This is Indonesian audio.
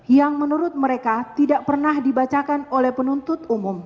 yang menurut mereka tidak pernah dikenal dengan penasihat hukum yang terdakwa oleh penasihat hukum